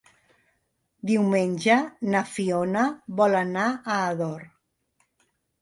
Diumenge na Fiona vol anar a Ador.